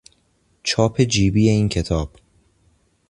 چاپ جیبی این کتاب